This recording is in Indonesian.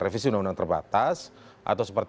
revisi undang undang terbatas